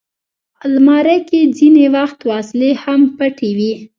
الماري کې ځینې وخت وسلې هم پټې وي